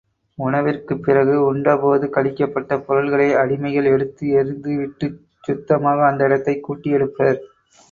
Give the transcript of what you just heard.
உணவிற்குப் பிறகு உண்டபோது கழிக்கப்பட்ட பொருள்களை அடிமைகள் எடுத்து எறிந்துவிட்டுச் சுத்தமாக அந்த இடத்தைக் கூட்டி எடுப்பர்.